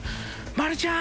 まるちゃん。